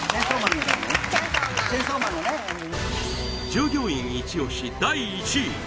従業員イチ押し第１位